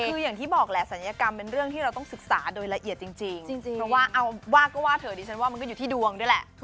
คืออย่างที่บอกแหละศัลยกรรมเป็นเรื่องที่เราต้องศึกษาโดยละเอียดจริง